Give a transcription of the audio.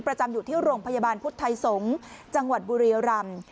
ประจำอยู่ที่โรงพยาบาลพุทธไทยสงฆ์จังหวัดบุรียรำ